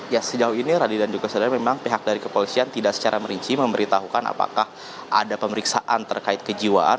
ya sejauh ini radi dan juga saudara memang pihak dari kepolisian tidak secara merinci memberitahukan apakah ada pemeriksaan terkait kejiwaan